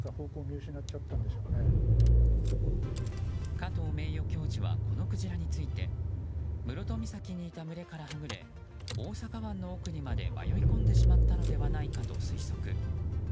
加藤名誉教授はこのクジラについて室戸岬にいた群れからはぐれ大阪湾の奥にまで迷い込んでしまったのではないかと推測。